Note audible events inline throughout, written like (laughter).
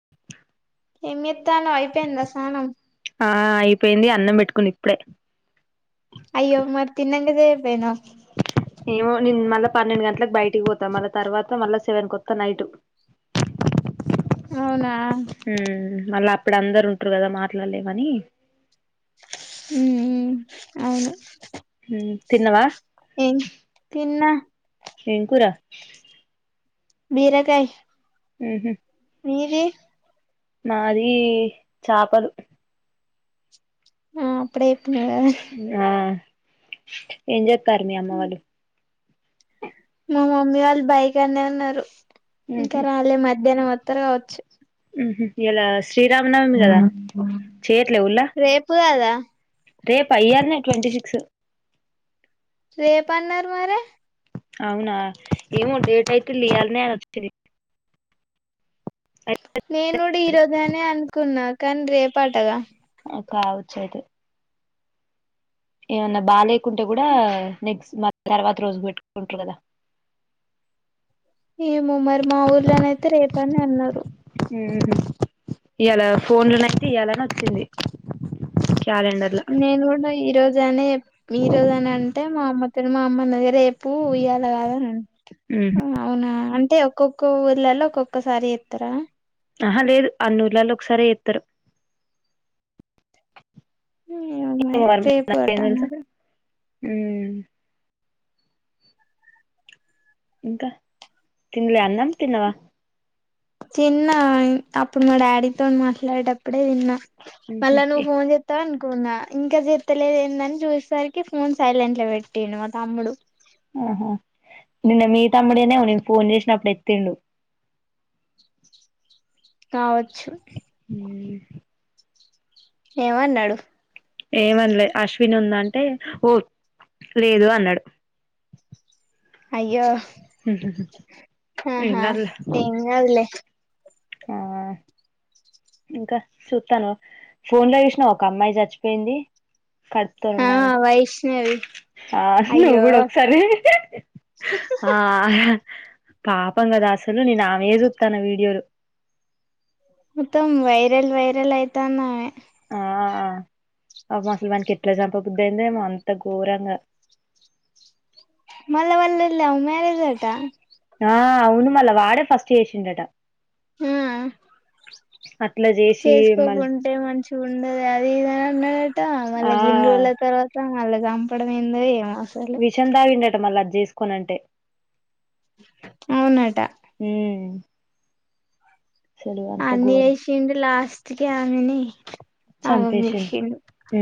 (unintelligible) ఏమ్ చేతానవ్ అయిపోయిందా స్నానం ఆ అయిపోయింది అన్నం పెట్టుకున్న ఇప్పుడే అయ్యో మరి తిన్నంక ఇది అయిపేయినవ్ ఏమో నేను మళ్ళా పన్నెండు గంటలకు బయటికి పోతా మళ్ళా తర్వాత మళ్ళా సెవెన్ కొత్తా నైట్ అవునా మళ్ళా అప్పుడు అందరూ ఉంటారు కదా మాట్లాడలేమని ఉమ్ ఉమ్ అవును ఉమ్ తిన్నవా ఏం తిన్నా ఏం కూర బీరకాయ్ ఉహు మీది మాది చాపలు ఆ అప్పుడే చేప్పినవ్ కదా ఏంజేత్ తారు మీ అమ్మ వాళ్ళు మా మమ్మీ వాళ్ళు బాయ్కాన్నే ఉన్నారు ఉహు ఇంకా రాలే మధ్యానం ఒత్తారు కావచ్చు ఉహు ఇయాల శ్రీరామనవమి కదా చేయట్లేవుల్లా అ రేపా ఇయ్యాలనే ట్వంటీ సిక్స్ రేపు అన్నారు మరి అవునా ఏమో డేట్ అయితే లియాలనే అని వచ్చింది నేను కూడు ఈరోజనే అనుకున్నా కానీ రేపాటగా కావచ్చు అయితే ఏమన్నా బా లేకుంటే కూడా నెక్స్ట్ మ తర్వాత రోజు పెట్టుకుంటారు కదా ఏమొమరి మా ఊర్ళన అయితే రేపని అన్నారు ఉమ్ ఇయాలా ఫోన్ లోనైతే ఇయలని వచ్చింది క్యాలెండర్ లో నేను కూడా ఈ రోజనే ఈ రోజనే అంటే మా అమ్మ తను మా అమ్మ అన్నదే రేపు ఉయ్యాల కాద అవునా అంటే ఒక్కక్కో ఊర్లలో ఒక్కొక్కసారి ఎత్తార ఆహా లేదు అన్ని ఊర్లలో ఒకసారి చెస్తారు అమాయి రేపు కట్టాన్నది హ్మ్మ్ ఇంకా తినలే అన్నాం తిన్నవా తిన్నా అప్పుడు మా డాడీతోని మాట్లాడేటప్పుడే దిన్నా మళ్ళా నువ్వు ఫోన్ చెత్తవ ను కున్నా ఇంకా చెత్తలేదు ఏందని చూసరికి ఫోన్ సైలెంట్ పెట్టటిండు మా తమ్ముడు ఆహా నిన్న మీ తమ్ముడనే నేను ఫోన్ చేసిన అప్పుడు ఎత్తిండు కావచ్చు హ్మ్మ్ ఏమన్నాడు ఏమనలే అశ్విన్ ఉందంటే ఓ లేదు అన్నాడు అయ్యో ఏం ఆహా కాదులే ఏం కాదులే ఆ ఇంకా చూస్తాను ఫోన్ లో చూసినా ఒక అమ్మాయి చచ్చిపోయింది కడుపుత ఆ ఉన్నా ఆమె వైష్ణవి ఆ నువ్వు అయ్యో కూడా ఒకసారి ఆ పాపం కదా అసలు నేను ఆమె చూస్తాను వీడియోలు ఉత్తమ్ వైరల్ వైరల్ అయితాన్నావే ఆ అ ముసలుమానికి ఎట్లా చంపకదు అయిందేమో అంత ఘోరంగా మళ్ళ వళ్ళది లవ్ మ్యారేజ్ ఆట ఆ అవును మళ్ళా వాడే ఫస్ట్ చేసిండట ఆ అట్లా చేసి మళ్ చేసుకోకుంటే మంచి ఉండదు అది ఇదని అన్నాడట మళ్ళ ఆ గన్ని రోజుల తర్వాత అలాగ చంపడం అయిందో ఏమో అసలు విషయం తాగిందట మళ్ళ అది చేసుకోనంటే అవునట హ అన్ని ఘోరం వేసిడు లాస్ట్ టి ఆమెని ఆగం చేసిండు చంపేసిండు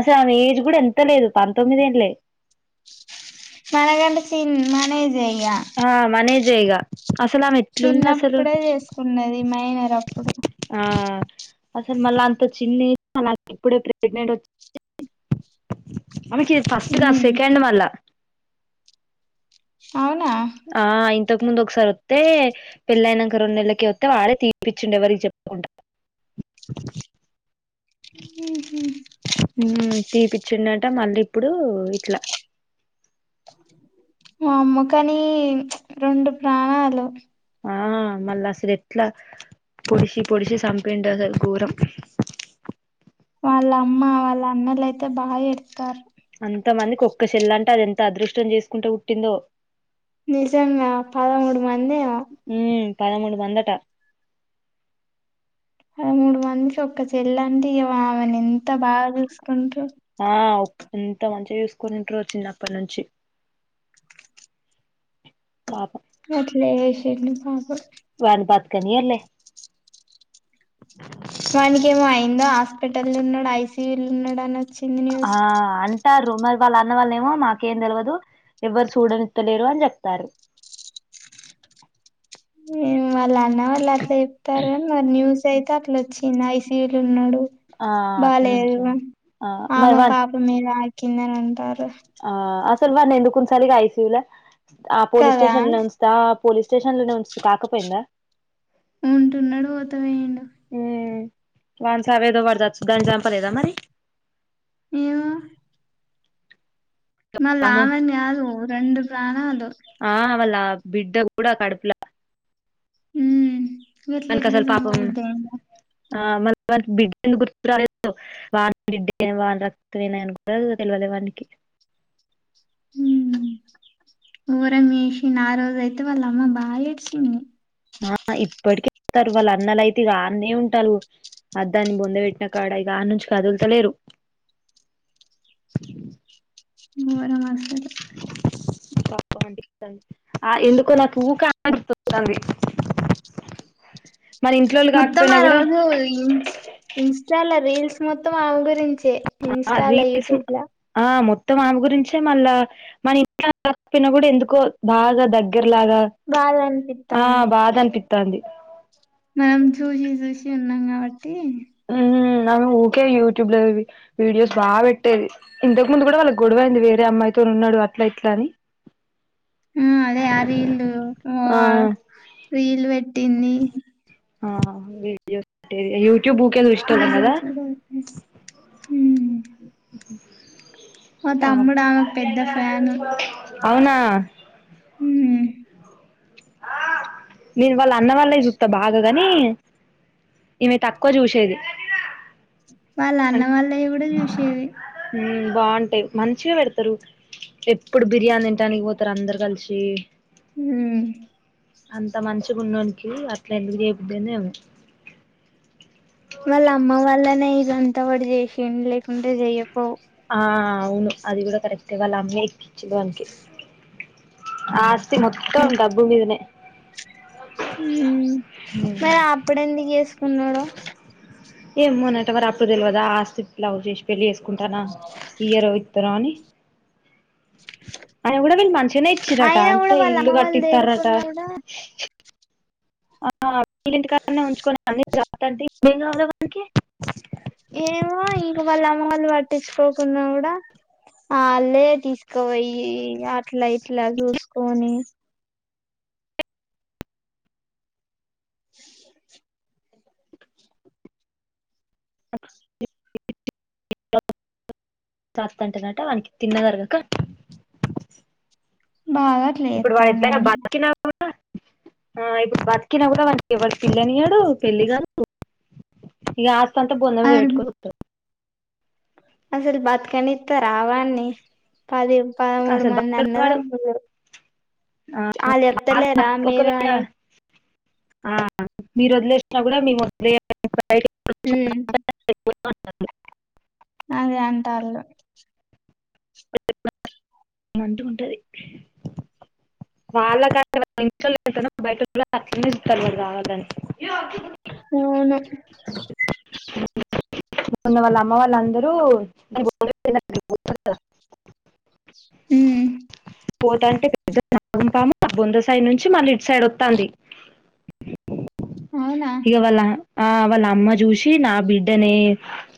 అసలు ఆ ఏజ్ కూడా ఎంత లేదు పంతొమ్మిద ఏంలే మన కంటన్ చిన మన ఏజే ఇగ ఆ మన ఏజ్ ఆ ఈగ చిన్నప్పుడే చేసుకున్నది మైనర్ అప్పుడు ఆ అసలు మళ్ళా అంత చిన్న ఇప్పుడే ప్రెగ్నెంట్ వచ్చి అకిది ఫస్ట్ క ఉమ్ సెకండ్ వాల్ల అవునా ఇంతక ముందు ఒకసారి వస్తే పెళ్ళయినాక రెండు నెలకి వస్తే వాడే తీపిచిండి ఎవరికి చెప్పుకుంట తీపిచ్చిం అంటే మళ్ళీ ఇప్పుడు ఇట్లా వామ్మో కని రెండు ప్రాణాలు ఆ మళ్ళా అసలు ఎట్లా పొడిసి పొడిసి చపిండ దొరం వాళ్ళ అమ్మ వాళ్ళ అమ్న్నలుయితే బాగా ఎడతారు అంత మందికి ఒక్క చెల్ల అంటే అది ఎంత అదృష్టం చేసుకుంటే పుట్టిందో నిజంగా పదమూడు మంది ఉమ్ పదమూడు వందట పదమూడు మందికి ఒక్క చెల్ల అంటే ఇ ఆమెన ఎంత అంత బాగా చూసుకుంటూ ఆ ఎంత మంచిగా చూసుకునింటారో చిన్ పాప గట్ల చేషిండు పాప వాని బతుక్ కనియార్లే వానికి ఏమో అయిందో హాస్పిటల్ ఉన్నాడు ఐసియూలు ఉన్నాడు అని వచ్చింది న్యూస్ ఆ అంటా రుమర్ వాళ్ళ అన్న వాళ్ళ ఏమో మాకేం తెలవదు ఎవ్వరు చూడనిత్తలేరు అని చెప్తారు. ఎం వాళ్ళ అన్న వాళ్ళు అట్లా చెప్తారుగాని ఆ న్యూస్ అయితే అట్లచ్చి నీన్న ఐసీయులో ఉన్నడు. ఆ అట్లనే బాలేదు ఉంచండి ఆ మరి ఆమే వాన్ పాప మీద (unintelligible) కిందనుంటారు ఆ అసలు వాడ్ని ఎందుకుంచాలిగ ఐసీయు లో ఆ పోలీస్ కదా స్టేషన్ లో ఉంచుతా పోలీస్ స్టేషన్ లోనే ఉంచుతే కాకపోయిందా ఉంటున్నాడు వొత్తవేయుండు ఉమ్ వాన్ సావేదో వాడ్ సచ్చ్ దాన్ని చంపలేదా మరి ఏమో మళ్ళ అమ్మో ఆమెన్ కాదు రెండు ప్రాణలు ఆ వాళ్ళ బిడ్డ కూడా కడపులా ఊ ఎట్ల ఎట్ల అసలు సంప పాపం బుద్ధి అయ్యిందో ఆ మల్ల వానికి బిడ్డ ఎందుకు గుర్తు రాలేదో వానీ బిడ్డే వానీ రక్తమేనని కూడా తెలవలే వానికి హూ గోరంచేసిన ఆరోజయితే వాళ్ళ అమ్మ బాగా ఏడ్చింది. ఆ ఇప్పటికి అత్తరు వాళ్ళ అన్నలయితే ఇగ ఆన్నే ఉంటలు అ దాన్ని బొంద పెట్టిన కాడ ఇక ఆడ్ నుంచి కదుల్తలేరు గోరం అస త ఆ ఎందుకో నాకు (unintelligible) కాకపోయినా కూడా మొత్తమారోజు ఇన్స్ ఇన్స్టాలో రీల్ మొత్తం ఆమె గురించే ఇన్స్టాలో యూట్యూబ్ల త్తం ఆమె గురించే మళ్ళా మన (unintelligible) కప్పిన కూడా ఎందుకో బాగా దగ్గర లాగా బాధ ఆ అనిపిత్తాంది బాద అనిపిత్ త్తాంది. మనం చూసి చూసి ఉన్నాం కాబట్ ఊ న్నాను ఊకే యూట్యూబ్ లో వీడి వీడియోస్ బాగ్పెట్టేది ఇంతకు ముందు కూడా వాళ్ళకి గొడవైంది వేరే అమ్మాయితో ఉన్నాడు అట్ల ఇట్ల అని ఆ అదే ఆ రీల్ ఆ రీల్ వెట్ తింది వీడియోస్ యూ టబ్ ఊకె చూస్నాం కాద వీడియోస్ కూడా పెట్టింది ఉమ్ మా పా తమ్ముడు ఆమెకు పెద్ద ఫ్యాను అవునా ఉమ్ నేను వాళ్ళ అన్న వాళ్ళవి చూస్తా బాగా కని ఈమె తక్కువ చూసేది వాళ్ళ అం అన్న వాళ్ళవి కూడా చూసేది బాగుంటాయి మంచిగా పెడతారు ఎప్పుడు బిర్యానీ తంటానికి పోతారు అందరు కలిసి హ అంత మంచిగా ఉండనికి అట్లా ఎందుకు చేబద్దేనేేమ వాళ్ అమ్మ వల్లనే జంత వాడి చేసిన్ లేకుంటే చే ఆ అవును అది కూడా కరెక్ట్ వాళ్ళ అమ్మ ఎక్కించంది వానికి ఆ ఆస్తి మొత్తం డబ్బు మీదనే మరి అప్పుడెందుకు చేసుకున్నాడు ఏం మో నెట వర అప్పుడు ఇల్వదా ఆస్తిలావరు చేసి పెళ్లిసు కుంటానా ఈయరో రో అని అయిన కూడా వీళ్ళు చిన ఇచిరాట అయినా కూడా అంటే వాళ్ళ ఇల్లు అమ్మ వాళ్ళు కట్టిస్తారట తేకున్నా కూడా పీల్ళ ఇంటికా ఉంచుకొని అన్ని జస్తండి బెంగావల (unintelligible) ఏమో ఇంకా వాళ్ళ అమ్మ వాళు పట్టించుకోకుంన్నా కూడా వాళ్ళే తీసుకోవయి ఇట్లా ఇట్లా చూసుకొని (inaudible) చస్త అంటనట వాకి తిన్నది అరగక బాగా అట్లా ఇప్పుడు వాళ్ళ చేత్తాండు ఎట్లయినా ఆయన బతికినపు ఆ ఇప్పుడు బతికినా కూడా అ ఎవడు పిల్ల నియ్యాడు పెళ్ళి కాదు ఇక అంత బోంద మీ అసలు వెయిట్ అసలు బతకనుతార వాన్ని పాదేవ పదమూడు అసలు మంది బతకడు వాడు అన్నదమ్ములు ఆ, వాళు వాళ్ళు చెప్తలేరా బతక- మీరు ఒకవేళ ఆయ ఆ మీరు వదిలేసినా కూడా మేము వలే హ్మ్మ్ (unintelligible) అదే అంటళ్ళు (unintelligible) ఏమిటీ ఏమిటి వాళ్ళ కా బయట కూడా అట్ ఇస్తారు, కావాలంటే అవునా మొన్న వాళ్ళ అమ్మ వాళ్ళ అందరూ హుమ్ పోత అంటే ఎం పామో ఆ గుంట సైడ్ నుంచి మళ్ళ ఇటు సైడ్ వస్తుంది. అవునా ఆ వాళ్ళ అమ్మ చూసి నా బిడ్డనే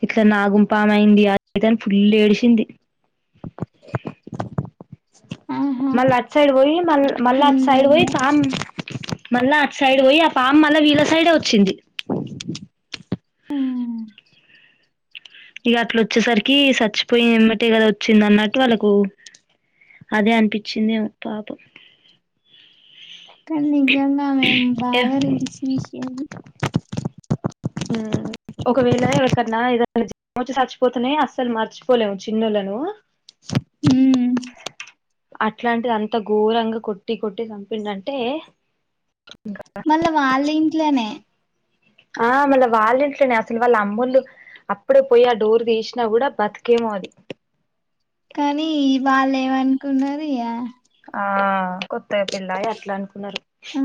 ఇట్లా నాగుంపాము అయింది, అనుకొన్ని ఫుల్ ఏడిచింది. ఆహా మళ్ళీ సైడ్ పోయి మళ్ మళ్ళా నేను సైడ్ పోయి చూడలే సామ్ మళ్ళా అటు సైడ్ పోయి ఆ పాము మళ్ళా వీళ్ళ సైడే వచ్చింది. ఉహు ఇక అట్లా వచ్చేసరికి చచ్చిపోయి వేమటేకదా వచ్చింది, అన్నట్టు వాళ్ళకు అదే అనిపించిందేమో పాపం, కానీ నిజంగా ఆమె ఏ బాగా రిల్స్ తీసింది. ఒకవేళ ఎవరికన్నా వచ్చి చచ్చిపోతునే అస్సలు మర్చిపోలేము చిన్నోలను, హు అట్లాంటిది అంత ఘోరంగా కొట్టి కొట్టి చంపిండ అంటే మళ్ళా వాళ్ళ ఇంట్లోనే ఆ మళ్ళీ వాళ్ళ ఇంట్లోనే అసలు వాళ్ళ అమ్మళ్లు అప్పుడే పోయి ఆ డోర్ తీసినా కూడా బతికేమో అది, కానీ వాళ్ళు ఏమనుకున్నరు ఇగా ఆ కొత్త గా పెళ్లి అయి అట్లా అనుకున్నారు. ఆ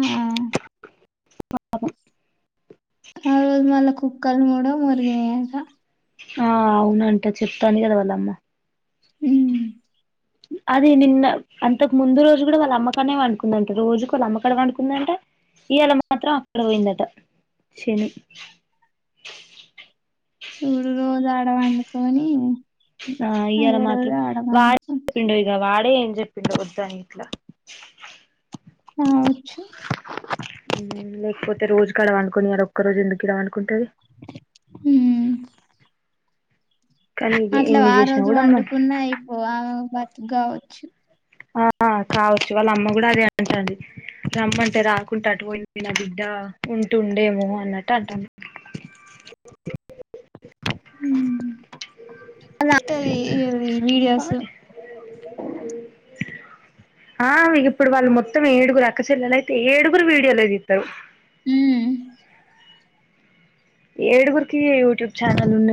(unintelligible) ఆ రోజు మళ్ళ కుక్కలు కూడా మొరిగిన్నాయి, అంట ఆ అవునంట చెప్తాది, కదా వాళ్ళ అమ్మ ఉ అది నిన్న అంతకు ముందు రోజు కూడా వాళ్ళ అమ్మకాడనే పండుకుందంట రోజుకు వాళ్ళ, అమ్మకాడ పండుకుందంట ఇవాళ మాత్రం అక్కడ పోయిందట, శని సూడు రోజు ఆడ పండుకొన్ని, ఆ ఇయాలా మాత్రం వండుకొని వాడికి వాడి ఎం చెప్పిండో వద్దు అన్ని గిట్ల కావొచ్చు, లేకపోతే రోజు గాడా పండుకున్ని ఇడా ఒక్క రోజు ఎందుకు ఇడా పండుకున్న, కుంటది. అట్ల ఇన్ని ఆ చేసినా రోజు కూడా మ పండుకున్నా అయిపోవు, ఆమె గావోచ్చు, ఆ కావచ్చు వాళ్ళ అమ్మ కూడా అదే అంటాందీ అమ్మ అంటే రాకుంటే అటు పోయింది నా బిడ్డ ఉంటుండేమో అన్నట్టు అంటాను ఉమ్ అ వీడియోస్ ఆ ఇప్పుడు వాళ్ళు మొత్తం ఏడుగురు అక్కచల్లెలు అయితే ఏడుగురు వీడియోలే దిస్తారు హమ్ ఏడుగురికి ూట్యూబ్ ఛానల్ ఉన్